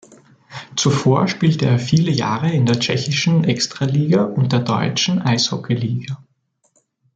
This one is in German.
Zuvor spielte er viele Jahre in der tschechischen Extraliga und der Deutschen Eishockey Liga.